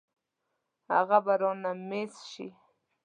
هغه به رانه مېس شي.